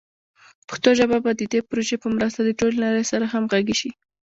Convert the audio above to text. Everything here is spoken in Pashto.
پښتو ژبه به د دې پروژې په مرسته د ټولې نړۍ سره همغږي شي.